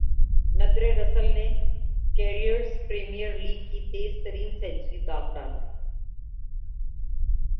ندرے Russell نے Caribbean Premier league کی تیز ترین سنچری داغ ڈالی